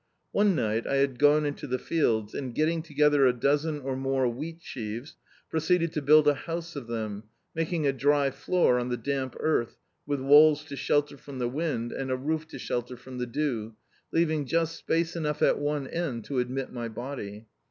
One night I had gone into the fields, and, getting together a dozen or more wheatsheaves, pro ceeded to build a house of them, making a dry floor on the damp earth, with walls to shelter from the wind, and a roof to shelter frcm the dew, leaving just space enou^ at one end to admit my body.